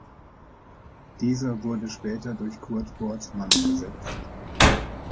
Dieser wurde später durch Kurt Wortmann ersetzt.